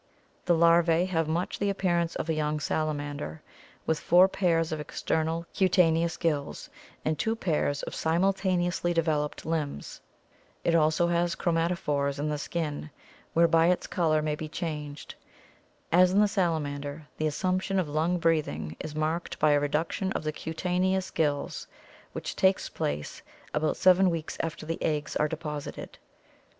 The larvae have much the appearance of a young salamander, with four pairs of external cutaneous gills and two pairs of simultaneously developed limbs. It also has chromatophores in the skin whereby its color may be changed. As in the salamander, the assumption of lung breathing is marked by a reduction of the cutaneous gills, which takes place about seven weeks after the eggs are deposited.